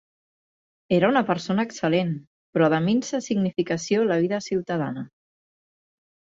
Era una persona excel·lent, però de minsa significació en la vida ciutadana.